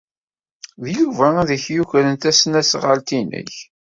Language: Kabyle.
D Yuba ay ak-yukren tasnasɣalt-nnek.